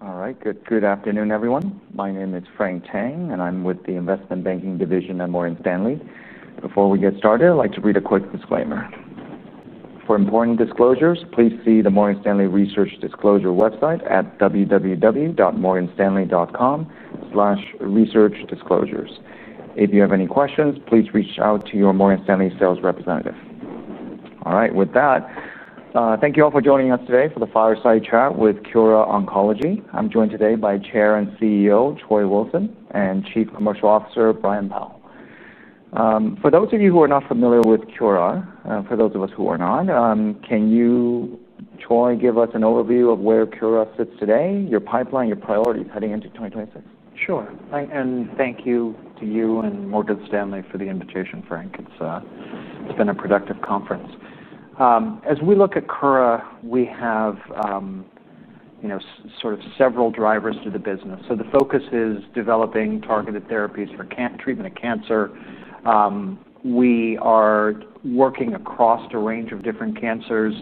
All right, good afternoon, everyone. My name is Frank Tang, and I'm with the Investment Banking Division at Morgan Stanley. Before we get started, I'd like to read a quick disclaimer. For important disclosures, please see the Morgan Stanley Research Disclosure website at www.morganstanley.com/research-disclosures. If you have any questions, please reach out to your Morgan Stanley sales representative. All right, with that, thank you all for joining us today for the Fireside Chat with Kura Oncology. I'm joined today by Chair and CEO Troy Wilson and Chief Commercial Officer Brian Powl. For those of you who are not familiar with Kura, for those of us who are not, can you, Troy, give us an overview of where Kura sits today, your pipeline, your priorities heading into 2026? Sure, and thank you to you and Morgan Stanley for the invitation, Frank. It's been a productive conference. As we look at Kura, we have sort of several drivers to the business. The focus is developing targeted therapies for treatment of cancer. We are working across a range of different cancers.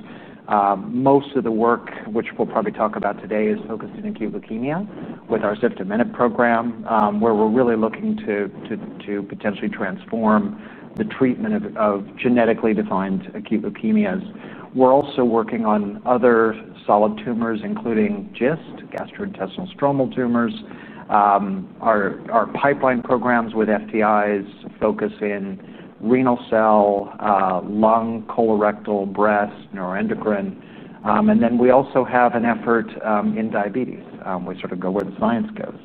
Most of the work, which we'll probably talk about today, is focused on acute leukemia with our Ziftomenib program, where we're really looking to potentially transform the treatment of genetically defined acute leukemias. We're also working on other solid tumors, including GIST, gastrointestinal stromal tumors. Our pipeline programs with FTIs focus in renal cell, lung, colorectal, breast, neuroendocrine, and then we also have an effort in diabetes. We sort of go where the science goes.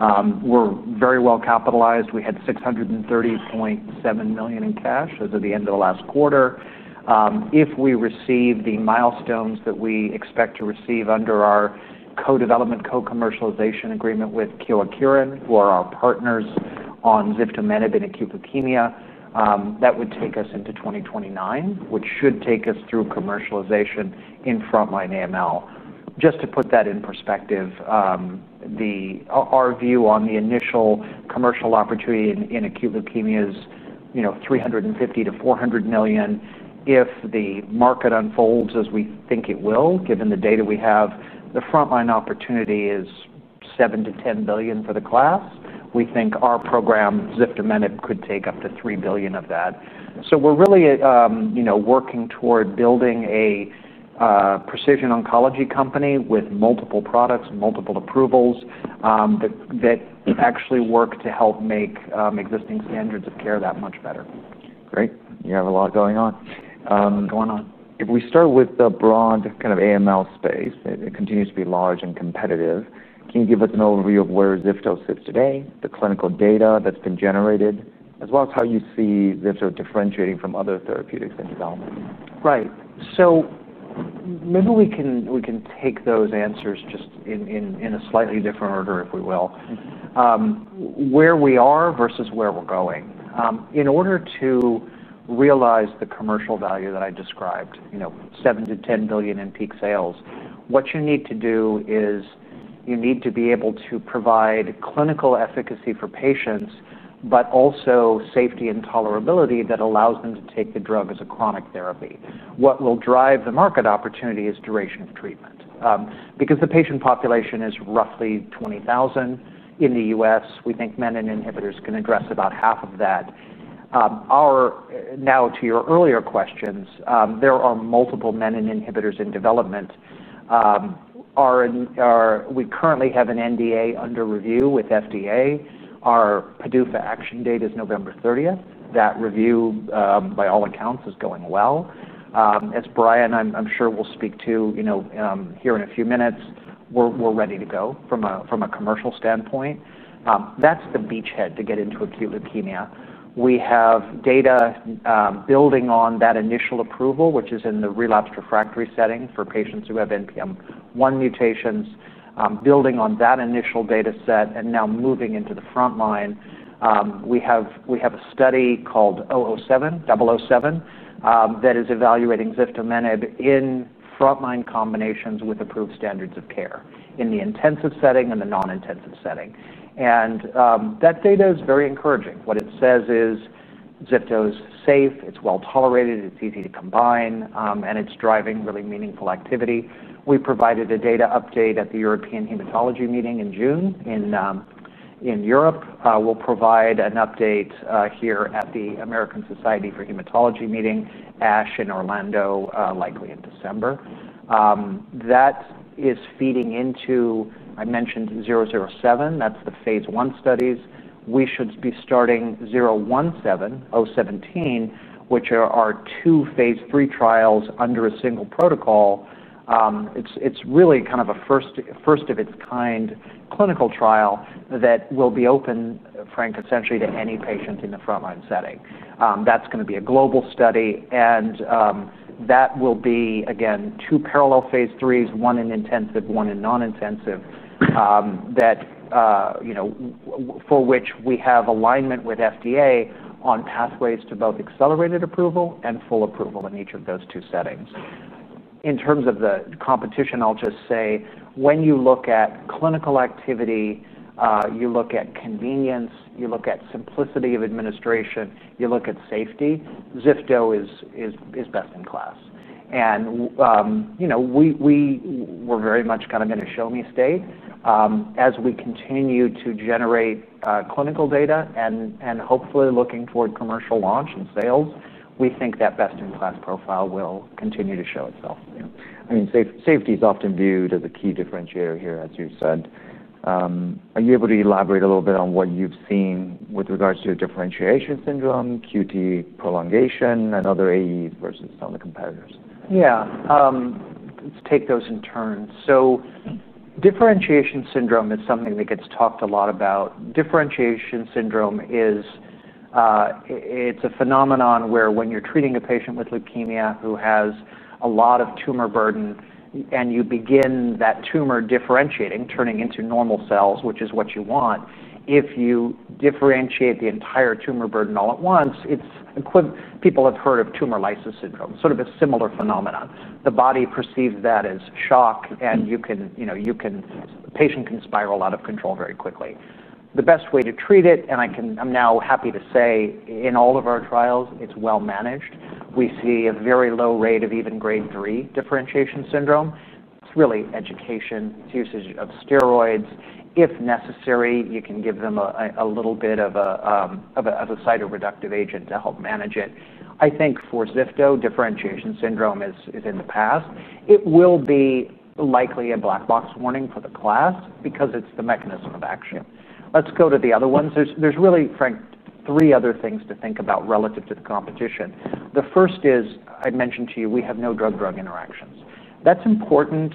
We're very well capitalized. We had $630.7 million in cash as of the end of the last quarter. If we receive the milestones that we expect to receive under our co-development, co-commercialization agreement with Kyowa Kirin Co., Ltd. for our partners on Ziftomenib in acute leukemia, that would take us into 2029, which should take us through commercialization in frontline AML. Just to put that in perspective, our view on the initial commercial opportunity in acute leukemia is $350 to $400 million. If the market unfolds, as we think it will, given the data we have, the frontline opportunity is $7 to $10 billion for the class. We think our program, Ziftomenib, could take up to $3 billion of that. We're really working toward building a precision oncology company with multiple products, multiple approvals that actually work to help make existing standards of care that much better. Great. You have a lot going on. Going on. If we start with the broad kind of AML space, it continues to be large and competitive. Can you give us an overview of where Ziftomenib sits today, the clinical data that's been generated, as well as how you'd see Ziftomenib differentiating from other therapeutics in development? Right. Maybe we can take those answers just in a slightly different order, if we will. Where we are versus where we're going. In order to realize the commercial value that I described, $7 to $10 billion in peak sales, what you need to do is you need to be able to provide clinical efficacy for patients, but also safety and tolerability that allows them to take the drug as a chronic therapy. What will drive the market opportunity is duration of treatment. Because the patient population is roughly 20,000 in the U.S., we think menin inhibitors can address about half of that. Now, to your earlier questions, there are multiple menin inhibitors in development. We currently have an NDA under review with FDA. Our PDUFA action date is November 30. That review, by all accounts, is going well. As Brian and I'm sure we'll speak to here in a few minutes, we're ready to go from a commercial standpoint. That's the beachhead to get into acute leukemia. We have data building on that initial approval, which is in the relapsed refractory setting for patients who have NPM1 mutations, building on that initial data set and now moving into the frontline. We have a study called 007, 007, that is evaluating Ziftomenib in frontline combinations with approved standards of care in the intensive setting and the non-intensive setting. That data is very encouraging. What it says is Zifto is safe, it's well tolerated, it's easy to combine, and it's driving really meaningful activity. We provided a data update at the European Society of Medical Oncology Meeting in June in Europe. We'll provide an update here at the American Society of Hematology Meeting, ASH in Orlando, likely in December. That is feeding into, I mentioned, 007. That's the phase 1 studies. We should be starting 017, 017, which are two phase 3 trials under a single protocol. It's really kind of a first of its kind clinical trial that will be open, Frank, essentially to any patient in the frontline setting. That's going to be a global study. That will be, again, two parallel phase 3s, one in intensive, one in non-intensive, for which we have alignment with FDA on pathways to both accelerated approval and full approval in each of those two settings. In terms of the competition, I'll just say when you look at clinical activity, you look at convenience, you look at simplicity of administration, you look at safety, Zifto is best in class. You know we were very much kind of in a show-me state. As we continue to generate clinical data and hopefully looking forward to commercial launch and sales, we think that best-in-class profile will continue to show itself. I mean, safety is often viewed as a key differentiator here, as you said. Are you able to elaborate a little bit on what you've seen with regards to a differentiation syndrome, QT prolongation, and other AE versus some of the competitors? Yeah, let's take those in turns. Differentiation syndrome is something that gets talked a lot about. Differentiation syndrome is a phenomenon where when you're treating a patient with leukemia who has a lot of tumor burden and you begin that tumor differentiating, turning into normal cells, which is what you want, if you differentiate the entire tumor burden all at once, people have heard of tumor lysis syndrome, sort of a similar phenomenon. The body perceives that as shock and the patient can spiral out of control very quickly. The best way to treat it, and I'm now happy to say in all of our trials, it's well managed. We see a very low rate of even grade 3 differentiation syndrome. It's really education, it's usage of steroids. If necessary, you can give them a little bit of a cytoreductive agent to help manage it. I think for Ziftomenib, differentiation syndrome is in the past. It will be likely a black box warning for the class because it's the mechanism of action. Let's go to the other ones. There's really, Frank, three other things to think about relative to the competition. The first is I mentioned to you, we have no drug-drug interactions. That's important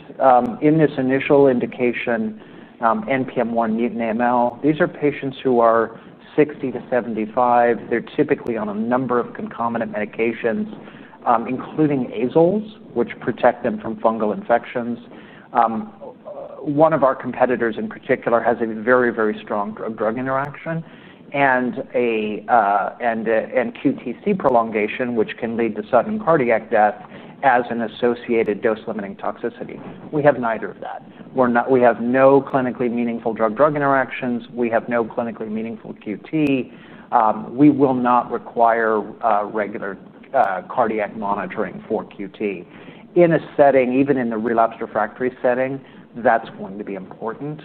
in this initial indication, NPM1-mutated AML. These are patients who are 60 to 75. They're typically on a number of concomitant medications, including azoles, which protect them from fungal infections. One of our competitors, in particular, has a very, very strong drug-drug interaction and QT prolongation, which can lead to sudden cardiac death as an associated dose-limiting toxicity. We have neither of that. We have no clinically meaningful drug-drug interactions. We have no clinically meaningful QT. We will not require regular cardiac monitoring for QT. In a setting, even in the relapsed refractory setting, that's going to be important.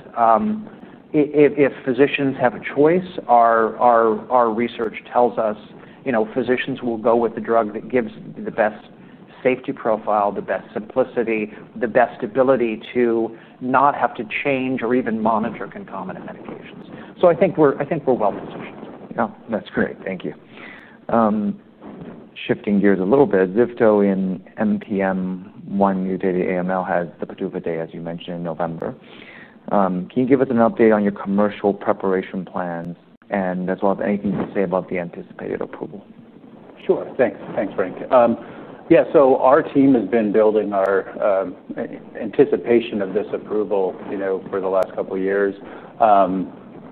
If physicians have a choice, our research tells us physicians will go with the drug that gives the best safety profile, the best simplicity, the best ability to not have to change or even monitor concomitant medications. I think we're well in sync. Yeah, that's great. Thank you. Shifting gears a little bit, Ziftomenib in NPM1-mutated AML has the PDUFA date, as you mentioned, in November. Can you give us an update on your commercial preparation plans as well as anything you can say about the anticipated approval? Sure, thanks. Thanks, Frank. Yeah, our team has been building our anticipation of this approval for the last couple of years.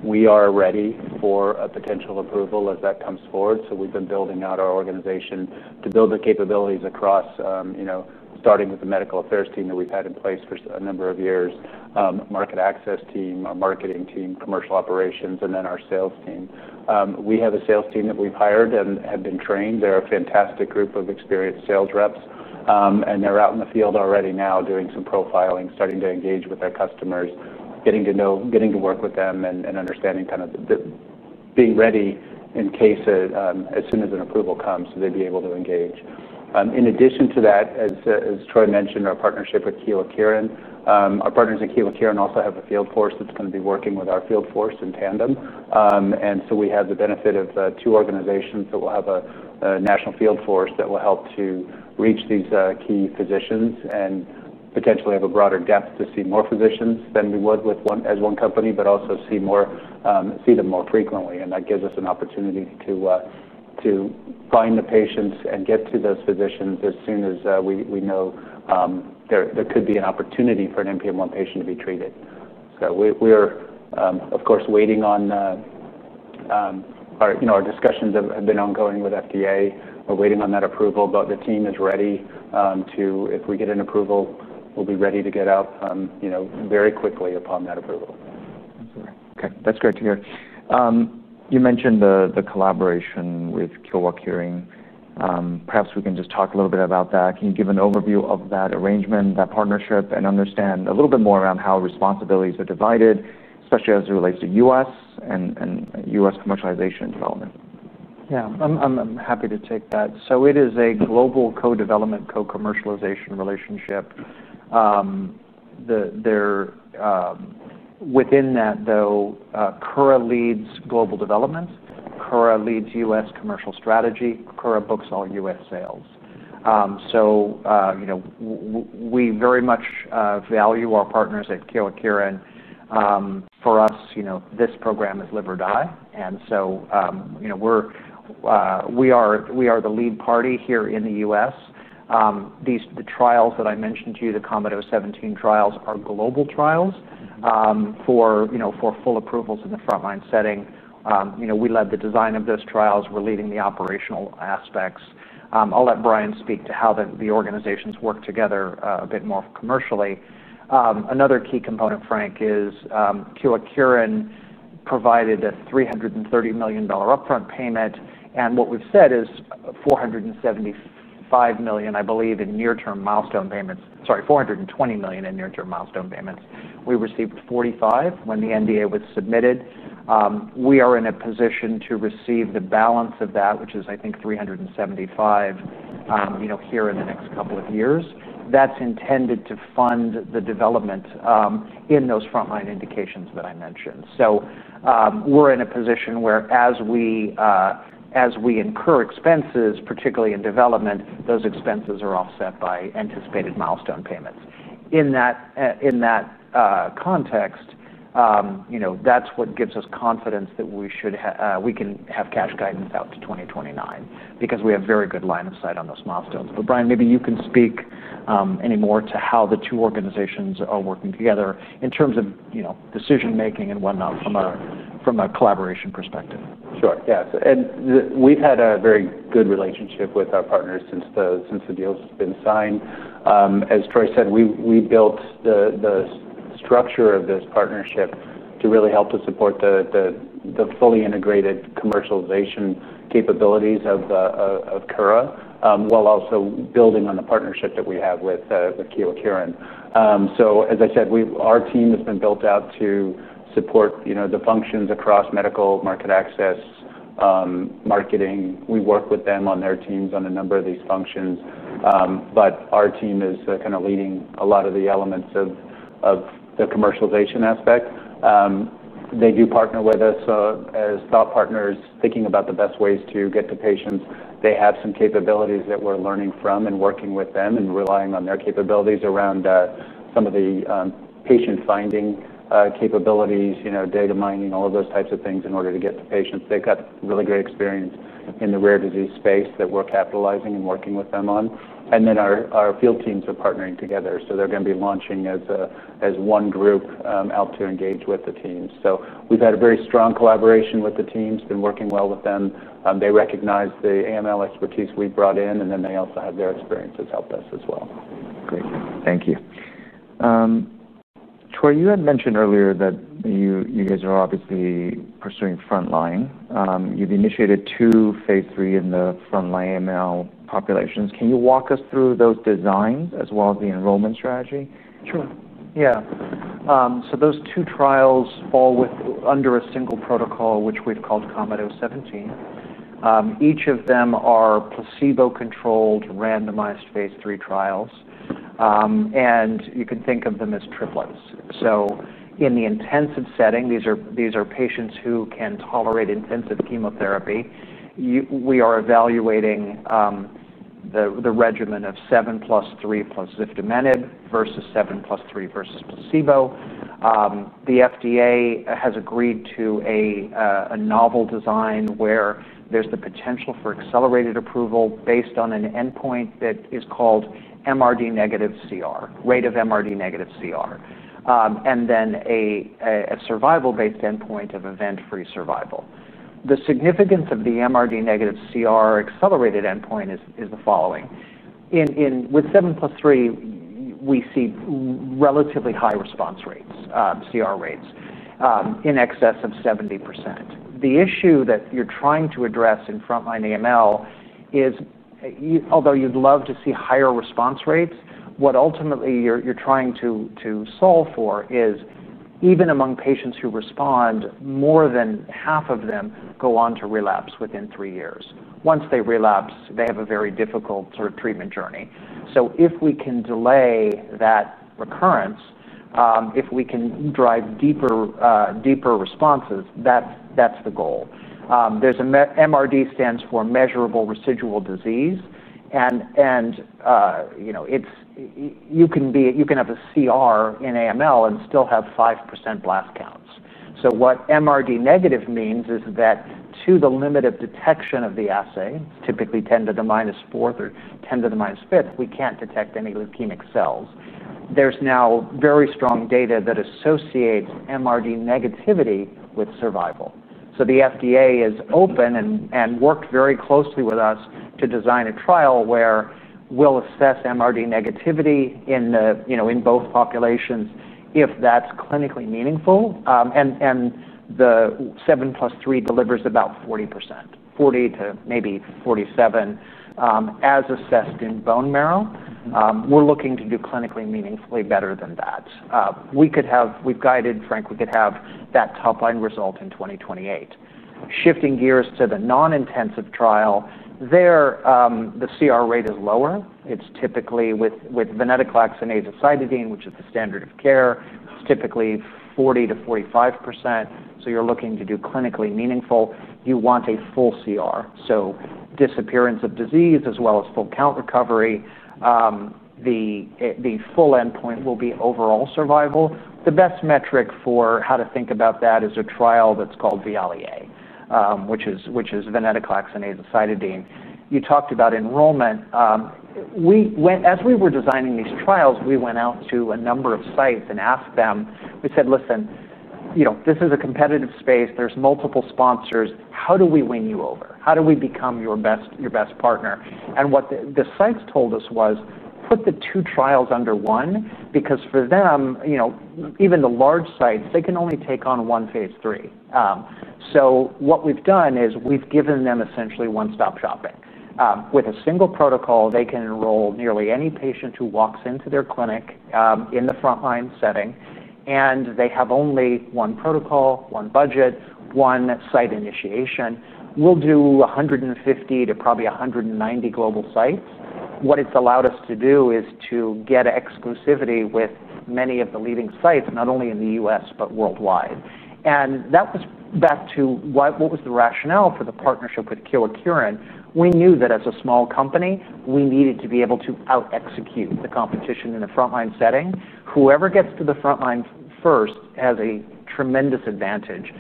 We are ready for a potential approval as that comes forward. We've been building out our organization to build the capabilities across, starting with the Medical Affairs team that we've had in place for a number of years, Market Access team, our Marketing team, Commercial Operations, and then our Sales team. We have a Sales team that we've hired and have been trained. They're a fantastic group of experienced sales reps, and they're out in the field already now doing some profiling, starting to engage with their customers, getting to know, getting to work with them, and understanding, kind of being ready in case as soon as an approval comes so they'd be able to engage. In addition to that, as Troy mentioned, our partnership with Kyowa Kirin Co., Ltd. Our partners in Kyowa Kirin Co., Ltd. also have a field force that's going to be working with our field force in tandem. We have the benefit of two organizations that will have a national field force that will help to reach these key physicians and potentially have a broader depth to see more physicians than we would with one company, but also see them more frequently. That gives us an opportunity to find the patients and get to those physicians as soon as we know there could be an opportunity for an NPM1 patient to be treated. We are, of course, waiting on our discussions that have been ongoing with FDA. We're waiting on that approval, but the team is ready to, if we get an approval, we'll be ready to get out very quickly upon that approval. Okay, that's great to hear. You mentioned the collaboration with Kyowa Kirin Co., Ltd. Perhaps we can just talk a little bit about that. Can you give an overview of that arrangement, that partnership, and understand a little bit more around how responsibilities are divided, especially as it relates to U.S. and U.S. commercialization development? Yeah, I'm happy to take that. It is a global co-development, co-commercialization relationship. Within that, though, Kura leads global development. Kura leads U.S. commercial strategy. Kura books all U.S. sales. We very much value our partners at Kyowa Kirin. For us, this program is live or die. We are the lead party here in the U.S. The trials that I mentioned to you, the Comet-017 trials, are global trials for full approvals in the frontline setting. We led the design of those trials. We're leading the operational aspects. I'll let Brian speak to how the organizations work together a bit more commercially. Another key component, Frank, is Kyowa Kirin provided a $330 million upfront payment. What we've said is $475 million, I believe, in near-term milestone payments. Sorry, $420 million in near-term milestone payments. We received $45 million when the NDA was submitted. We are in a position to receive the balance of that, which is, I think, $375 million here in the next couple of years. That's intended to fund the development in those frontline indications that I mentioned. We're in a position where, as we incur expenses, particularly in development, those expenses are offset by anticipated milestone payments. In that context, that's what gives us confidence that we should, we can have cash guidance out to 2029 because we have very good line of sight on those milestones. Brian, maybe you can speak any more to how the two organizations are working together in terms of decision-making and whatnot from a collaboration perspective. Sure. Yeah. We've had a very good relationship with our partners since the deal has been signed. As Troy said, we built the structure of this partnership to really help us support the fully integrated commercialization capabilities of Kura Oncology while also building on the partnership that we have with Kyowa Kirin Co., Ltd. As I said, our team has been built out to support the functions across medical, market access, marketing. We work with them on their teams on a number of these functions. Our team is kind of leading a lot of the elements of the commercialization aspect. They do partner with us as thought partners, thinking about the best ways to get to patients. They have some capabilities that we're learning from and working with them and relying on their capabilities around some of the patient finding capabilities, data mining, all of those types of things in order to get to patients. They've got really great experience in the rare disease space that we're capitalizing and working with them on. Our field teams are partnering together. They're going to be launching as one group out to engage with the teams. We've had a very strong collaboration with the teams, been working well with them. They recognize the AML expertise we've brought in, and they also have their experiences helped us as well. Great. Thank you. Troy, you had mentioned earlier that you guys are obviously pursuing frontline. You've initiated two phase 3 in the frontline AML populations. Can you walk us through those designs as well as the enrollment strategy? Sure. Yeah. Those two trials fall under a single protocol, which we've called Comet-017. Each of them are placebo-controlled, randomized phase 3 trials. You can think of them as triplets. In the intensive setting, these are patients who can tolerate intensive chemotherapy. We are evaluating the regimen of 7 plus 3 plus Ziftomenib versus 7 plus 3 versus placebo. The FDA has agreed to a novel design where there's the potential for accelerated approval based on an endpoint that is called MRD negative CR, rate of MRD negative CR, and then a survival-based endpoint of event-free survival. The significance of the MRD negative CR accelerated endpoint is the following. With 7 plus 3, we see relatively high response rates, CR rates, in excess of 70%. The issue that you're trying to address in frontline AML is, although you'd love to see higher response rates, what ultimately you're trying to solve for is even among patients who respond, more than half of them go on to relapse within three years. Once they relapse, they have a very difficult sort of treatment journey. If we can delay that recurrence, if we can drive deeper responses, that's the goal. MRD stands for measurable residual disease. You can have a CR in AML and still have 5% blast counts. What MRD negative means is that to the limit of detection of the assay, typically 10 to the minus fourth or 10 to the minus fifth, we can't detect any leukemic cells. There is now very strong data that associates MRD negativity with survival. The FDA is open and worked very closely with us to design a trial where we'll assess MRD negativity in both populations if that's clinically meaningful. The 7 plus 3 delivers about 40%, 40 to maybe 47% as assessed in bone marrow. We're looking to do clinically meaningfully better than that. We've guided, Frank, we could have that top line result in 2028. Shifting gears to the non-intensive trial, there the CR rate is lower. It's typically with venetoclax and azacitidine, which is the standard of care. It's typically 40 to 45%. You're looking to do clinically meaningful. You want a full CR, so disappearance of disease as well as full count recovery. The full endpoint will be overall survival. The best metric for how to think about that is a trial that's called VIALE-A, which is venetoclax and azacitidine. You talked about enrollment. As we were designing these trials, we went out to a number of sites and asked them. We said, "Listen, you know this is a competitive space. There's multiple sponsors. How do we win you over? How do we become your best partner?" What the sites told us was, "Put the two trials under one because for them, you know even the large sites, they can only take on one phase 3." What we've done is we've given them essentially one-stop shopping. With a single protocol, they can enroll nearly any patient who walks into their clinic in the frontline setting. They have only one protocol, one budget, one site initiation. We'll do 150 to probably 190 global sites. What it's allowed us to do is to get exclusivity with many of the leading sites, not only in the U.S. but worldwide. That was back to what was the rationale for the partnership with Kyowa Kirin Co., Ltd. We knew that as a small company, we needed to be able to out-execute the competition in the frontline setting. Whoever gets to the frontline first has a tremendous advantage.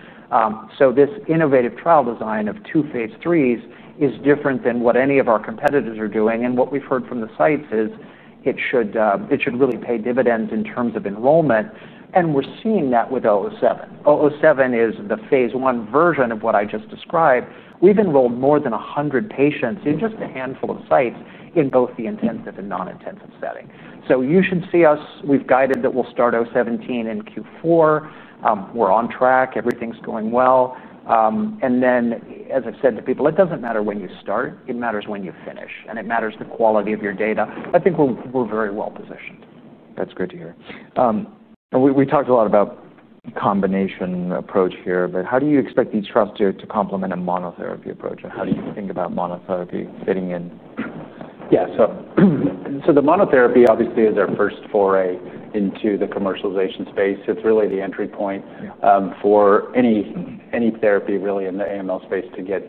This innovative trial design of two phase 3s is different than what any of our competitors are doing. What we've heard from the sites is it should really pay dividends in terms of enrollment. We're seeing that with 007. 007 is the phase 1 version of what I just described. We've enrolled more than 100 patients in just a handful of sites in both the intensive and non-intensive setting. You should see us. We've guided that we'll start 017 in Q4. We're on track. Everything's going well. As I've said to people, it doesn't matter when you start. It matters when you finish. It matters the quality of your data. I think we're very well positioned. That's good to hear. We talked a lot about combination approach here, but how do you expect these trials to complement a monotherapy approach? How do you think about monotherapy fitting in? Yeah, so the monotherapy obviously is our first foray into the commercialization space. It's really the entry point for any therapy really in the AML space to get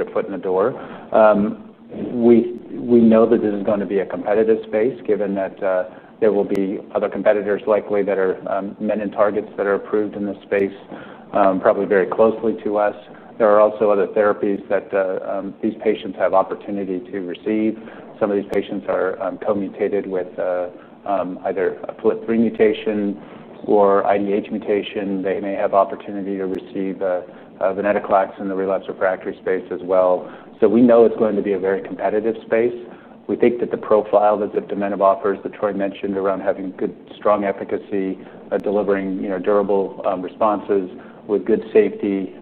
a foot in the door. We know that this is going to be a competitive space given that there will be other competitors likely that are menin targets that are approved in this space, probably very closely to us. There are also other therapies that these patients have opportunity to receive. Some of these patients are co-mutated with either a FLT3 mutation or IDH mutation. They may have opportunity to receive venetoclax in the relapsed refractory space as well. We know it's going to be a very competitive space. We think that the profile that the venetoclax offers, that Troy mentioned, around having good, strong efficacy, delivering durable responses with good safety,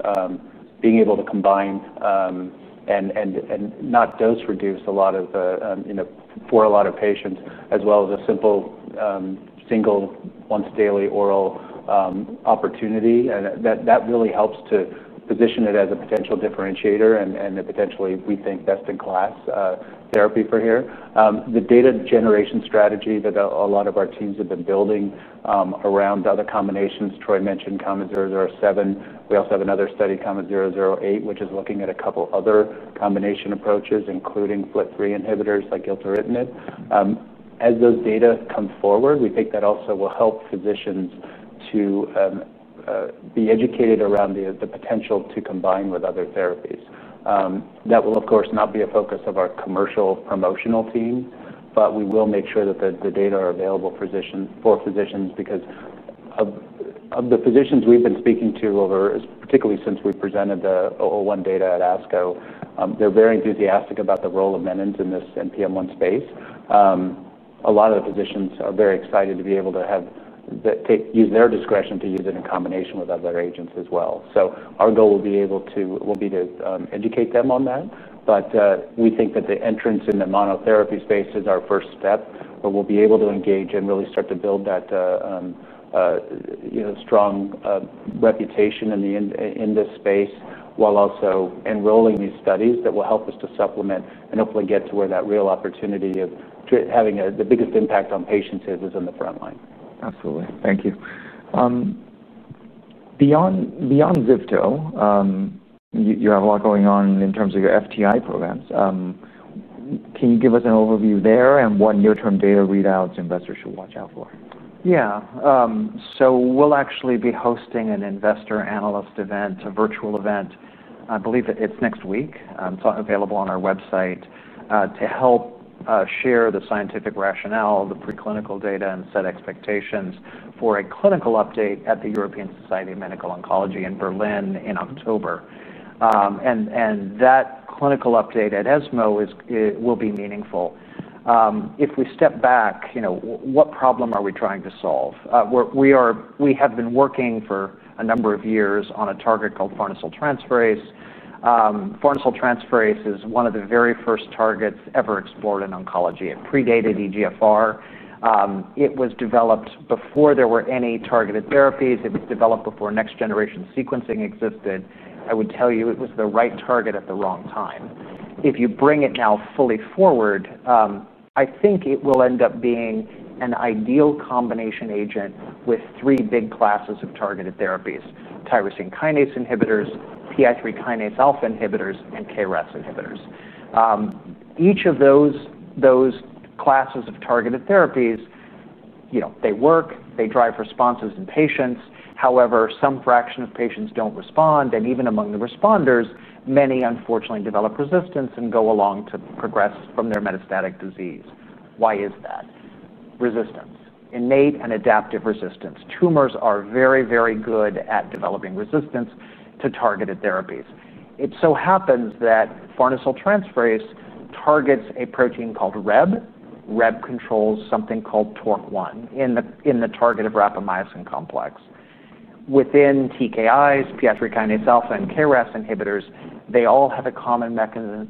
being able to combine and not dose reduce a lot of, you know, for a lot of patients, as well as a simple, single once daily oral opportunity. That really helps to position it as a potential differentiator and a potentially, we think, best-in-class therapy for here. The data generation strategy that a lot of our teams have been building around other combinations, Troy mentioned KOMET-007. We also have another study, KOMET-008, which is looking at a couple other combination approaches, including FLT3 inhibitors like gilteritinib. As those data come forward, we think that also will help physicians to be educated around the potential to combine with other therapies. That will, of course, not be a focus of our commercial promotional team, but we will make sure that the data are available for physicians because of the physicians we've been speaking to over, particularly since we presented the 01 data at ASCO. They're very enthusiastic about the role of menin in this NPM1 space. A lot of the physicians are very excited to be able to have that take use their discretion to use it in combination with other agents as well. Our goal will be able to educate them on that. We think that the entrance in the monotherapy space is our first step where we'll be able to engage and really start to build that strong reputation in this space while also enrolling these studies that will help us to supplement and hopefully get to where that real opportunity of having the biggest impact on patients is in the frontline. Absolutely. Thank you. Beyond Ziftomenib, you have a lot going on in terms of your FTI programs. Can you give us an overview there and what near-term data readouts investors should watch out for? Yeah. We'll actually be hosting an investor analyst event, a virtual event. I believe it's next week. It's available on our website to help share the scientific rationale, the preclinical data, and set expectations for a clinical update at the European Society of Medical Oncology in Berlin in October. That clinical update at ESMO will be meaningful. If we step back, you know, what problem are we trying to solve? We have been working for a number of years on a target called farnesyltransferase. Farnesyltransferase is one of the very first targets ever explored in oncology. It predated EGFR. It was developed before there were any targeted therapies. It was developed before next-generation sequencing existed. I would tell you it was the right target at the wrong time. If you bring it now fully forward, I think it will end up being an ideal combination agent with three big classes of targeted therapies: tyrosine kinase inhibitors, PI3 kinase alpha inhibitors, and KRAS inhibitors. Each of those classes of targeted therapies, you know, they work. They drive responses in patients. However, some fraction of patients don't respond. Even among the responders, many, unfortunately, develop resistance and go along to progress from their metastatic disease. Why is that? Resistance, innate and adaptive resistance. Tumors are very, very good at developing resistance to targeted therapies. It so happens that farnesyltransferase targets a protein called Rheb. Rheb controls something called TORC1 in the target of rapamycin complex. Within TKIs, PI3 kinase alpha and KRAS inhibitors, they all have a common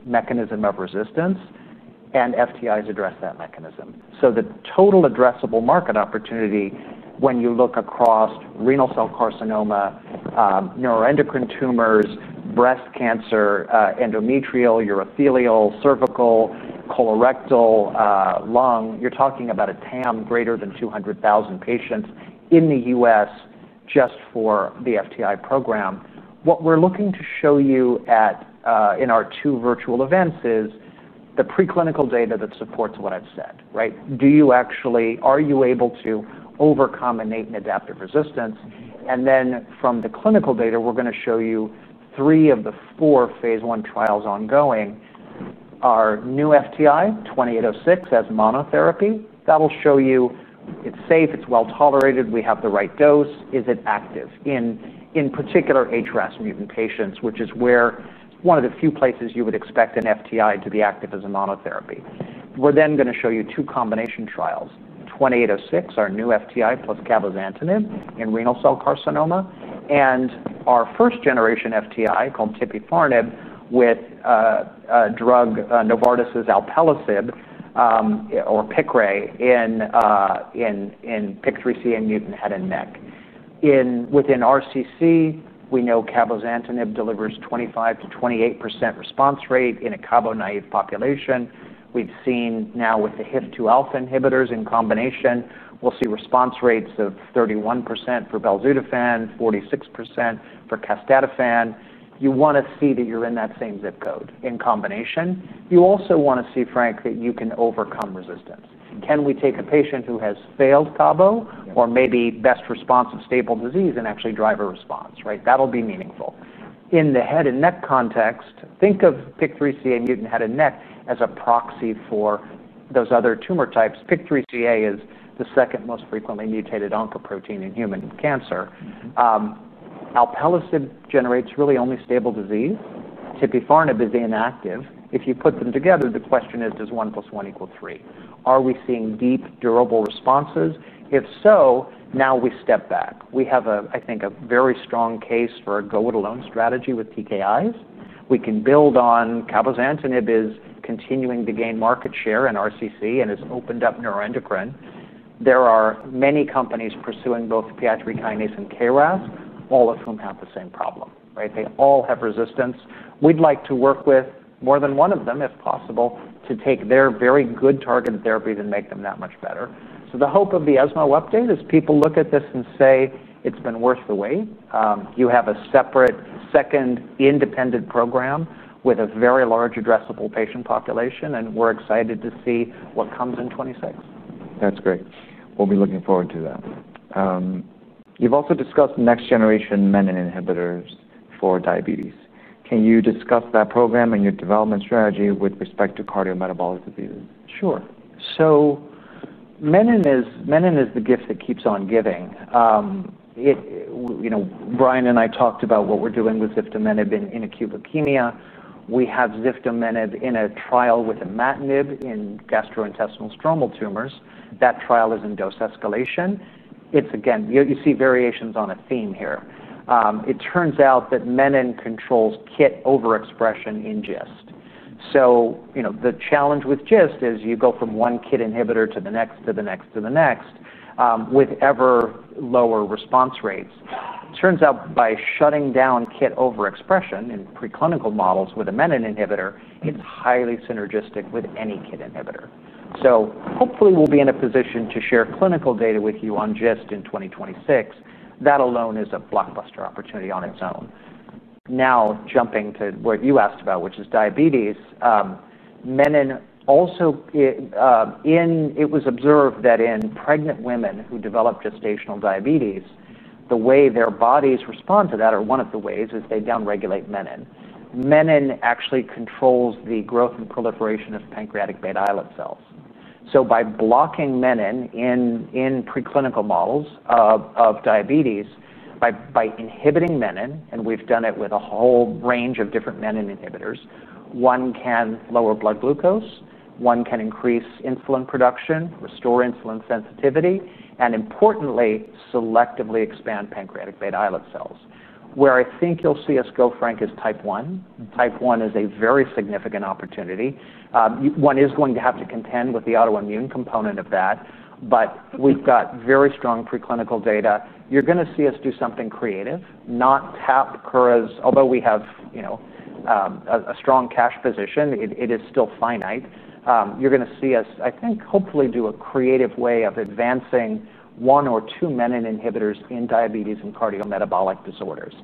mechanism of resistance, and FTIs address that mechanism. The total addressable market opportunity, when you look across renal cell carcinoma, neuroendocrine tumors, breast cancer, endometrial, urothelial, cervical, colorectal, lung, you're talking about a TAM greater than 200,000 patients in the U.S. just for the FTI program. What we're looking to show you in our two virtual events is the preclinical data that supports what I've said, right? Do you actually, are you able to overcome innate and adaptive resistance? From the clinical data, we're going to show you three of the four phase 1 trials ongoing are new FTI, KO-2806 as monotherapy. That will show you it's safe, it's well tolerated, we have the right dose, is it active in particular HRAS mutant patients, which is where one of the few places you would expect an FTI to be active as a monotherapy. We're then going to show you two combination trials, KO-2806, our new FTI plus cabozantinib in renal cell carcinoma, and our first generation FTI called tipifarnib with a drug, Novartis's alpelisib or Piqray, in PI3CA mutant head and neck. Within RCC, we know cabozantinib delivers 25% to 28% response rate in a cabo-naive population. We've seen now with the HIF2 alpha inhibitors in combination, we'll see response rates of 31% for belzutifan, 46% for casdotanib. You want to see that you're in that same zip code in combination. You also want to see, Frank, that you can overcome resistance. Can we take a patient who has failed cabo or maybe best response of stable disease and actually drive a response, right? That'll be meaningful. In the head and neck context, think of PI3CA mutant head and neck as a proxy for those other tumor types. PI3CA is the second most frequently mutated oncoprotein in human cancer. Alpelisib generates really only stable disease. Tipifarnib is inactive. If you put them together, the question is, does one plus one equal three? Are we seeing deep, durable responses? If so, now we step back. We have, I think, a very strong case for a go-it-alone strategy with TKIs. We can build on cabozantinib is continuing to gain market share in RCC and has opened up neuroendocrine. There are many companies pursuing both PI3 kinase and KRAS, all of whom have the same problem, right? They all have resistance. We'd like to work with more than one of them, if possible, to take their very good targeted therapies and make them that much better. The hope of the ESMO update is people look at this and say, it's been worth the wait. You have a separate, second, independent program with a very large addressable patient population, and we're excited to see what comes in 2026. That's great. We'll be looking forward to that. You've also discussed next-generation menin inhibitors for diabetes. Can you discuss that program and your development strategy with respect to cardiometabolic diseases? Sure. Menin is the gift that keeps on giving. Brian and I talked about what we're doing with Ziftomenib in acute leukemia. We have Ziftomenib in a trial with imatinib in gastrointestinal stromal tumors. That trial is in dose escalation. Again, you see variations on a theme here. It turns out that menin controls KIT overexpression in GIST. The challenge with GIST is you go from one KIT inhibitor to the next to the next to the next with ever lower response rates. It turns out by shutting down KIT overexpression in preclinical models with a menin inhibitor, it's highly synergistic with any KIT inhibitor. Hopefully we'll be in a position to share clinical data with you on GIST in 2026. That alone is a blockbuster opportunity on its own. Now jumping to what you asked about, which is diabetes, menin also, it was observed that in pregnant women who develop gestational diabetes, the way their bodies respond to that, or one of the ways, is they downregulate menin. Menin actually controls the growth and proliferation of pancreatic beta islet cells. By blocking menin in preclinical models of diabetes, by inhibiting menin, and we've done it with a whole range of different menin inhibitors, one can lower blood glucose, one can increase insulin production, restore insulin sensitivity, and importantly, selectively expand pancreatic beta islet cells. Where I think you'll see us go, Frank, is type 1. Type 1 is a very significant opportunity. One is going to have to contend with the autoimmune component of that, but we've got very strong preclinical data. You're going to see us do something creative, not tap Kura's, although we have a strong cash position. It is still finite. You're going to see us, I think, hopefully do a creative way of advancing one or two menin inhibitors in diabetes and cardiometabolic disorders.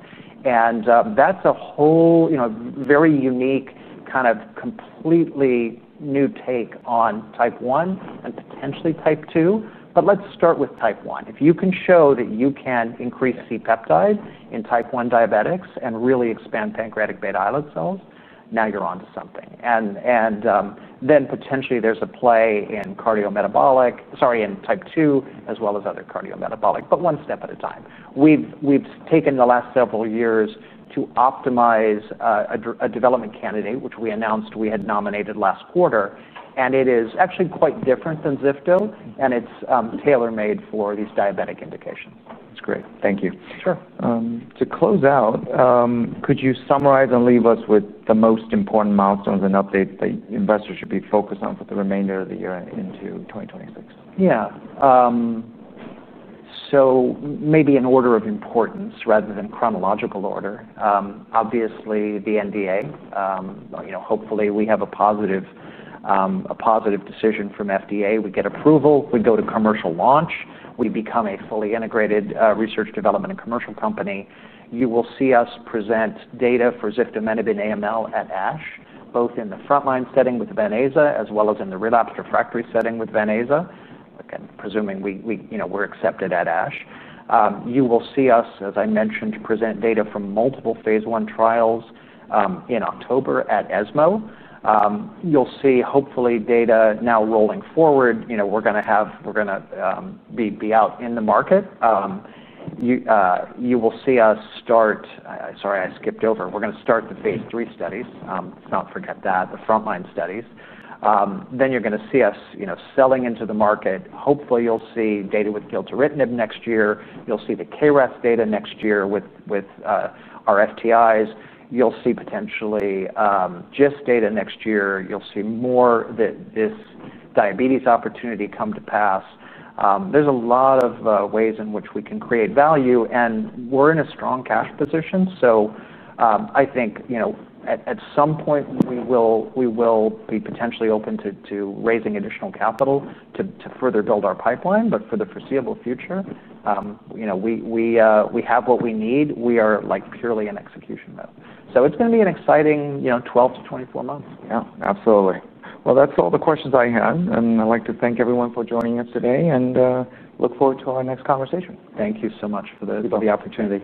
That's a whole, you know, very unique kind of completely new take on type 1 and potentially type 2. Let's start with type 1. If you can show that you can increase C-peptide in type 1 diabetics and really expand pancreatic beta islet cells, now you're on to something. Potentially there's a play in cardiometabolic, sorry, in type 2, as well as other cardiometabolic, but one step at a time. We've taken the last several years to optimize a development candidate, which we announced we had nominated last quarter. It is actually quite different than Ziftomenib, and it's tailor-made for these diabetic indications. That's great. Thank you. Sure. To close out, could you summarize and leave us with the most important milestones and updates that investors should be focused on for the remainder of the year into 2026? Yeah. Maybe in order of importance rather than chronological order, obviously the NDA. Hopefully, we have a positive decision from FDA. We get approval. We go to commercial launch. We become a fully integrated research, development, and commercial company. You will see us present data for Ziftomenib in AML at ASH, both in the frontline setting with venetoclax as well as in the relapsed refractory setting with venetoclax, and presuming we're accepted at ASH. You will see us, as I mentioned, present data from multiple phase 1 trials in October at ESMO. You'll see hopefully data now rolling forward. We're going to be out in the market. You will see us start—sorry, I skipped over. We're going to start the phase 3 studies. Let's not forget that, the frontline studies. You're going to see us selling into the market. Hopefully, you'll see data with gilteritinib next year. You'll see the KRAS data next year with our FTIs. You'll see potentially GIST data next year. You'll see more that this diabetes opportunity come to pass. There's a lot of ways in which we can create value, and we're in a strong cash position. I think at some point, we will be potentially open to raising additional capital to further build our pipeline, but for the foreseeable future, we have what we need. We are purely in execution mode. It's going to be an exciting 12 to 24 months. Absolutely. That's all the questions I had. I'd like to thank everyone for joining us today and look forward to our next conversation. Thank you so much for the opportunity.